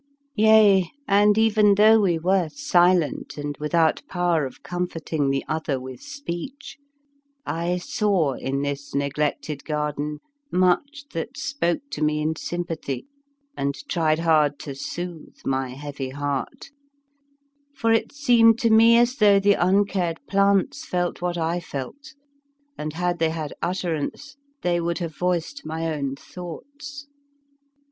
Yea, and even though we were silent and without power of comforting the other with speech, I saw in this neglected garden much that spoke to me in sympathy and tried hard to soothe my heavy heart; for it seemed to me as though the uncared plants felt what I felt, and, had they had utterance, they would have voiced my own thoughts.